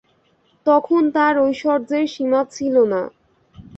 তখন তার ঐশ্বর্যের সীমা ছিল না।